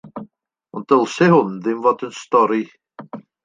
Ond dylse hwn ddim fod yn stori.